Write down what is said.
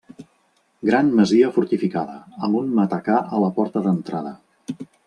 Gran masia fortificada, amb un matacà a la porta d'entrada.